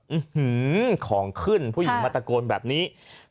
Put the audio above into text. อื้อหือของขึ้นผู้หญิงมัตตโกนแบบนี้